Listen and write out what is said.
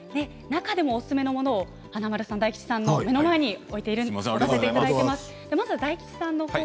中でも、おすすめのものを華丸さん、大吉さんの目の前に置いてあります。